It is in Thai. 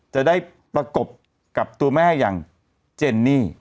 จะได้ประกบกับตัวแม่อย่างเจนนี่